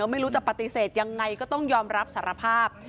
ไม่รู้จะปฏิเสธยังไงก็ต้องยอมรับสารภาพ